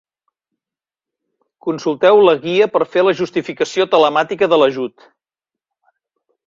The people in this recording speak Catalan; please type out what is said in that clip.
Consulteu la Guia per fer la justificació telemàtica de l'ajut.